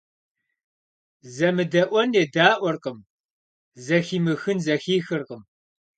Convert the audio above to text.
ЗэмыдэIуэн едаIуэркъым, зэхимыхын зэхихыркъым.